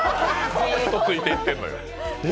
ずっとついていってるのよ。